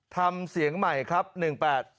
ทำเสียงใหม่ครับ๑บาท